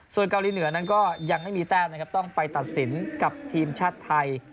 ส่วนเกาหลีเหนือนั้นก็ยังไม่มีแต้มนะครับต้องไปตัดสินกับทีมชาติไทย